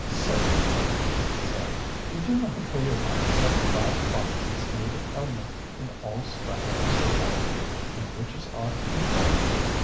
"Cynthia," he said, "you do not realize that pride finds its native element in all strata of society, and riches are comparative.